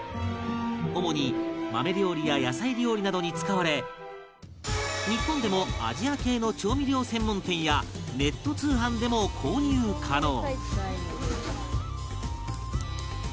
主に豆料理や野菜料理などに使われ日本でもアジア系の調味料専門店やネット通販でも購入可能